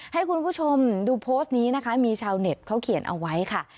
ให้คุณผู้ชมดูโพสต์นี้นะคะมีชาวเน็ตเขาเขียนเอาไว้ค่ะ